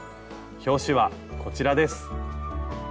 表紙はこちらです。